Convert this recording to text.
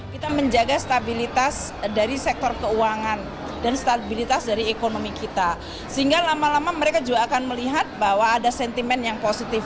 kita menjaga stabilitas dari sektor keuangan dan stabilitas dari ekonomi kita sehingga lama lama mereka juga akan melihat bahwa ada sentimen yang positif